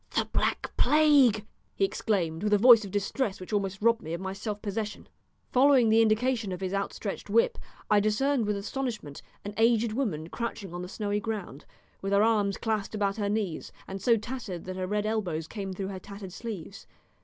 "The Black Plague!" he exclaimed with a voice of distress which almost robbed me of my self possession. Following the indication of his outstretched whip I discerned with astonishment an aged woman crouching on the snowy ground, with her arms clasped about her knees, and so tattered that her red elbows came through her tattered sleeves.